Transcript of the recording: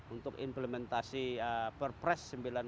untuk implementasi perpres seribu sembilan ratus sembilan puluh delapan